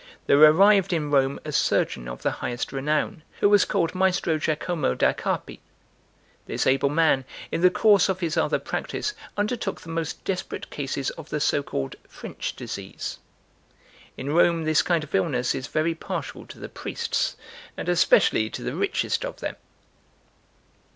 There arrived in Rome a surgeon of the highest renown, who was called Maestro Giacomo da Carpi. This able man, in the course of his other practice, undertook the most desperate cases of the so called French disease. In Rome this kind of illness is very partial to the priests, and especially to the richest of them.